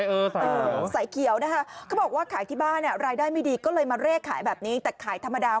เออใส่เขียวนะคะเขาบอกว่าขายที่บ้านอ่ะรายได้ไม่ดีก็เลยมาเลขขายแบบนี้แต่ขายธรรมดา